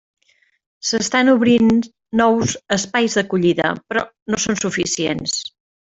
S'estan obrint nous espais d'acollida, però no són suficients.